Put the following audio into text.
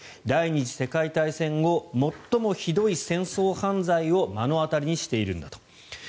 第２次世界大戦後最もひどい戦争犯罪を目の当たりにしているんだと。